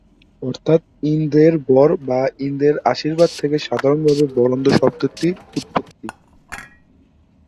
অর্থাৎ ইন্দ্রের বর বা ইন্দ্রের আশীর্বাদ থেকে সাধারণভাবে বরেন্দ্র শব্দটির উৎপত্তি।